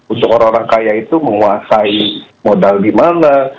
untuk orang orang kaya itu menguasai modal di mana